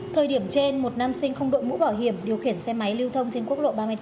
thời điểm trên một nam sinh không đội mũ bảo hiểm điều khiển xe máy lưu thông trên quốc lộ ba mươi tám